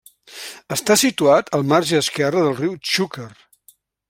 Està situat al marge esquerre del riu Xúquer.